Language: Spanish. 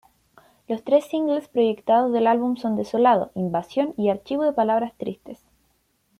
Los tres singles proyectados del álbum son Desolado, Invasión y Archivo de palabras tristes.